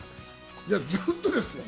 ずっとですよ。